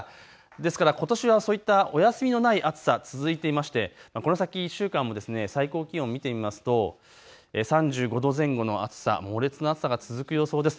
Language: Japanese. ですからことしはお休みのない暑さ、続いていましてこの先１週間も最高気温を見てみますと３５度前後の暑さ、猛烈な暑さが続く予想です。